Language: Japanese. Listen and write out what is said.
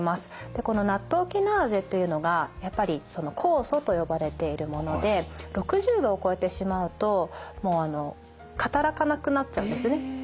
でこのナットウキナーゼっていうのがやっぱり酵素と呼ばれているもので６０度を超えてしまうともうあの働かなくなっちゃうんですね。